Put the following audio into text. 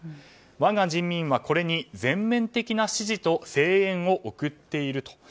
我が人民はこれに全面的な支持と声援を送っていると。